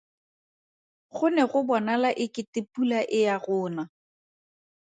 Go ne go bonala e kete pula e ya go na.